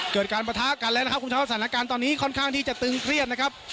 เกิดการประทะกันแล้วนะครับคุณทักว่าสถานการณ์ตอนนี้ค่อนข้างที่จะตึงเครียดนะครับ